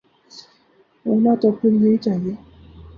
ہونا تو پھر یہ چاہیے۔